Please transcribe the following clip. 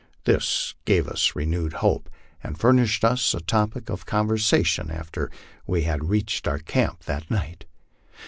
This gave us renewed hope, and furnished us a topic of conversation after we had reached our camp that night.